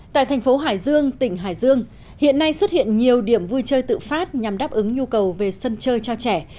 tại thành phố hải dương tỉnh hải dương hiện nay xuất hiện nhiều điểm vui chơi tự phát nhằm đáp ứng nhu cầu về sân chơi cho trẻ